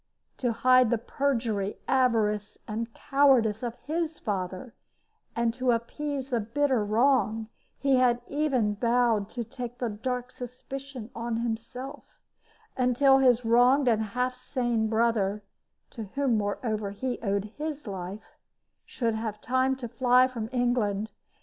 To hide the perjury, avarice, and cowardice of his father, and to appease the bitter wrong, he had even bowed to take the dark suspicion on himself, until his wronged and half sane brother (to whom, moreover, he owed his life) should have time to fly from England.